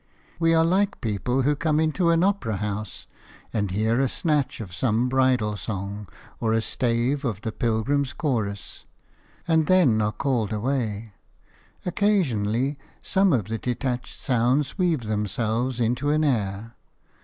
We are like people who come into an opera house and hear a snatch of some bridal song or a stave of the Pilgrims' Chorus, and then are called away. Occasionally some of the detached sounds weave themselves into an air.